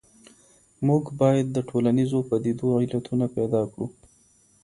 موږ بايد د ټولنيزو پديدو علتونه پيدا کړو.